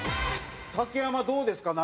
竹山どうですか？